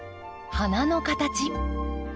花の形。